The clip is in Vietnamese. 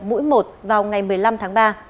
mũi một vào ngày một mươi năm tháng ba